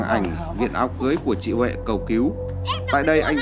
thành niên ở ngôi sao xe đấy quay lại chửi